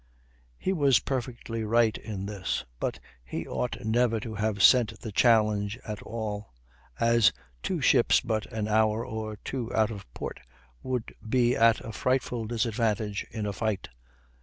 He was perfectly right in this; but he ought never to have sent the challenge at all, as two ships but an hour or two out of port would be at a frightful disadvantage in a fight.